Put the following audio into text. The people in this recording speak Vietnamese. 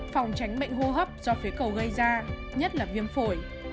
phòng tránh bệnh hô hấp do phế cầu gây ra nhất là viêm phổi